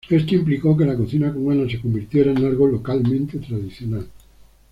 Esto implicó que la cocina cubana se convirtiera en algo localmente tradicional.